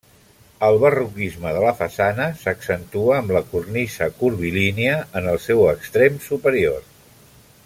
El barroquisme de la façana s'accentua amb la cornisa curvilínia en el seu extrem superior.